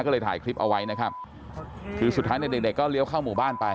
ก็เลยถ่ายคลิปเอาไว้นะครับคือสุดท้ายเนี่ยเด็กเด็กก็เลี้ยวเข้าหมู่บ้านไป